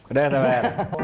sudah gak sabar